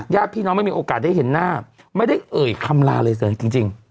ญาติพี่น้องไม่มีโอกาสได้เห็นหน้าไม่ได้เอ่ยคำลาเลยเสยจริง